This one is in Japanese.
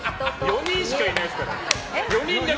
４人しかいないですから！